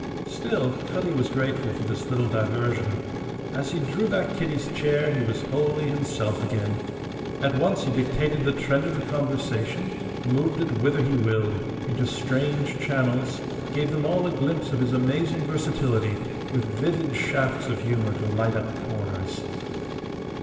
Still, Cutty was grateful for this little diversion. As he drew back Kitty's chair he was wholly himself again. At once he dictated the trend of the conversation, moved it whither he willed, into strange channels, gave them all a glimpse of his amazing versatility, with vivid shafts of humour to light up corners.